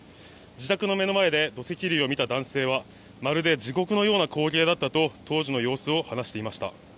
自宅の目の前で土砂が崩れるのを見た男性は「まるで地獄のような光景だった」と発生当時の様子を話していました。